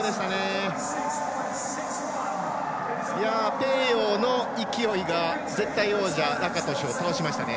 ペーヨーの勢いが絶対王者ラカトシュを倒しましたね。